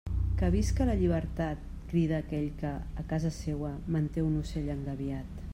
Que visca la llibertat, crida aquell que, a casa seua, manté un ocell engabiat.